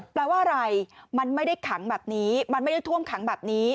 แปลว่าอะไรมันไม่ได้ขังแบบนี้มันไม่ได้ท่วมขังแบบนี้